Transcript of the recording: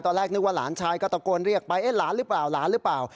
นึกว่าหลานชายก็ตะโกนเรียกไปเอ๊ะหลานหรือเปล่าหลานหรือเปล่า